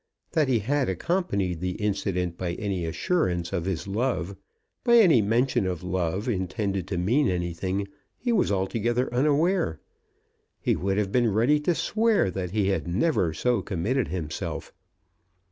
That he had accompanied the incident by any assurance of his love, by any mention of love intended to mean anything, he was altogether unaware. He would have been ready to swear that he had never so committed himself.